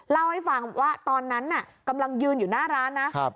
เล่าให้ฟังว่าตอนนั้นน่ะกำลังยืนอยู่หน้าร้านนะ